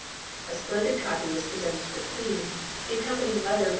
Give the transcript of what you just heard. A splended copy was presented to the Queen, the accompanying letter > : r^<*